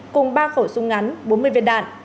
cùng ba khẩu súng ngắn bốn mươi viên đạn